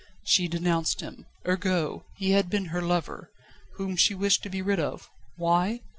"She denounced him. Ergo, he had been her lover, whom she wished to be rid of why?